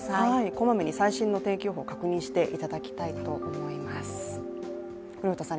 こまめに最新の天気予報を確認していただきたいと思います。